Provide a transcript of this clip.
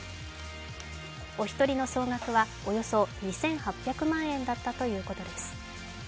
お一人の総額はおよそ２８００万円だったということです。